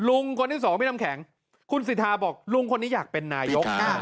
ลุงคนที่สองพี่น้ำแข็งคุณสิทธาบอกลุงคนนี้อยากเป็นนายก